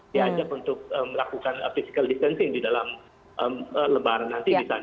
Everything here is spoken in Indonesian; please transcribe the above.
diajak untuk melakukan physical distancing di dalam lebaran nanti